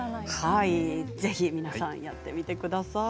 ぜひ皆さんやってみてください。